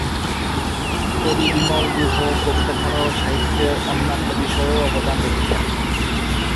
কবি বিমল গুহ কবিতা ছাড়াও সাহিত্যের অন্যান্য বিষয়েও অবদান রেখেছেন।